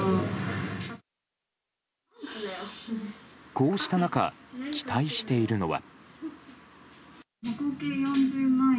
こうした中期待しているのは。